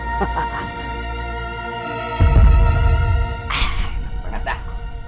enak banget dah